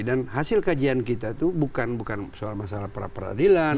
dan hasil kajian kita itu bukan bukan soal masalah prapradilan